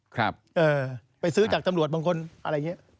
ครับเออไปซื้อจากตำรวจบางคนอะไรอย่างนี้